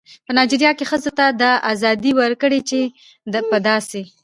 په نایجیریا کې ښځو ته دا ازادي ورکړې چې په داسې